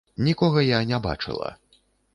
Нікога я не бачыла.